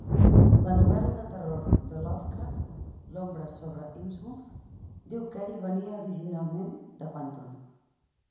La novel·la de terror de Lovecraft "L'ombra sobre Innsmouth" diu que ell venia originalment de Panton.